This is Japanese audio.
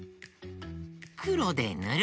くろでぬる！